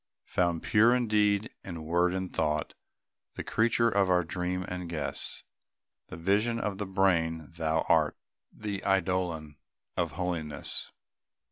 "Found pure in deed, and word, and thought," The creature of our dream and guess, The vision of the brain thou art, The eidolon of holiness.